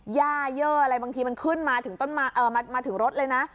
ย่าเย่ออะไรบางทีมันขึ้นมาถึงรถเลยนะ